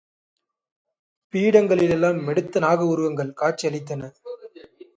பீடங்களில் எல்லாம் மெடுத்த நாக உருவங்கள் காட்சி அளித்தன.